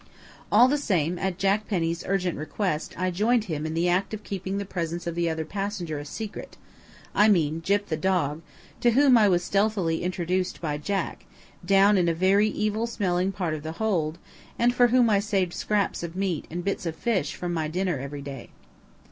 All the same, at Jack Penny's urgent request I joined him in the act of keeping the presence of the other passenger a secret I mean Gyp the dog, to whom I was stealthily introduced by Jack, down in a very evil smelling part of the hold, and for whom I saved scraps of meat and bits of fish from my dinner every day.